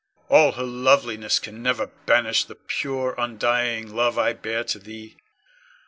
All her loveliness can never banish the pure, undying love I bear to thee.